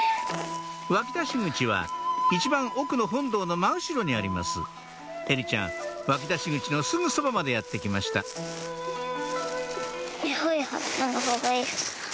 湧き出し口は一番奥の本堂の真後ろにあります絵理ちゃん湧き出し口のすぐそばまでやって来ましたはっぱのほうがいい。